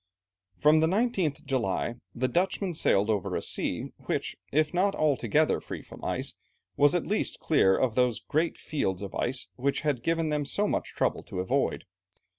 From the 19th July, the Dutchmen sailed over a sea, which, if not altogether free from ice, was at least clear of those great fields of ice which had given them so much trouble to avoid.